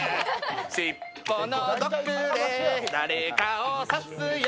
尻尾の毒で誰かを刺すよ